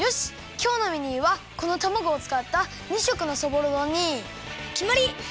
きょうのメニューはこのたまごをつかった２色のそぼろ丼にきまり！